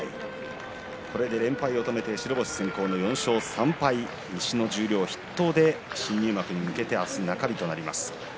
これで連敗を止めて白星先行の４勝３敗西の十両筆頭で明日、中日となります。